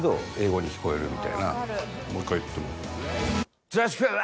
もう一回言って。